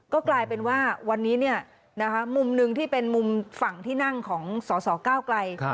ก็กลายเป็นว่าวันนี้มุมหนึ่งที่เป็นมุมฝั่งที่นั่งของสสก้าวไกล